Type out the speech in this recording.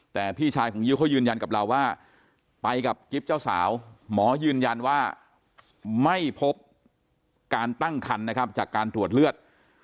แต่พี่ชายของยิ้วเขายืนยันกับเราว่าไปกับกิ๊บเจ้าสาวหมอยืนยันว่าไม่พบการตั้งคันนะครับจากการตรวจเลือด